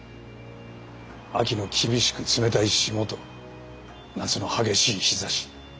秋の厳しく冷たい霜と夏の激しい日ざし。